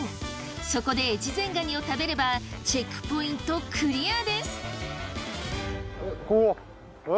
そこで越前がにを食べればチェックポイントクリアです。